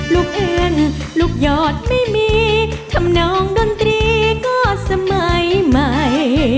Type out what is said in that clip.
เอื้อนลูกหยอดไม่มีทำนองดนตรีก็สมัยใหม่